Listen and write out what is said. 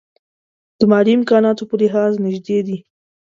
د مالي امکاناتو په لحاظ نژدې دي.